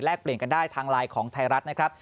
เปลี่ยนกันได้ทางไลน์ของไทยรัฐนะครับ